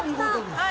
はい。